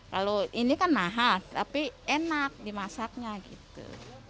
kalau ini kan mahal tapi enak dimasaknya gitu